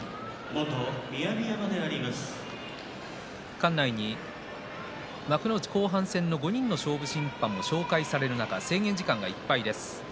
館内に幕内後半戦の５人の勝負審判が紹介される中制限時間いっぱいです。